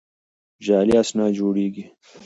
جعلي اسناد جوړېږي.